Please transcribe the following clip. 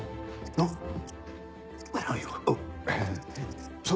あっ。